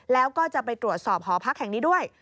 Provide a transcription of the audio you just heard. แล้วก็จะไปตรวจสอบหอพักแห่งนี้ด้วย